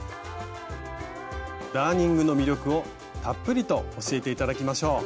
ダーニングの魅力をたっぷりと教えて頂きましょう。